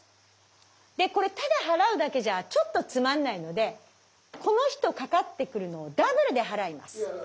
でこれただ払うだけじゃちょっとつまんないのでこの人かかってくるのをダブルで払います。